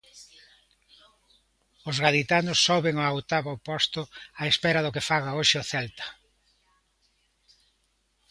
Os gaditanos soben ao oitavo posto á espera do que faga hoxe o Celta.